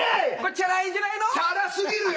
チャラ過ぎるよ！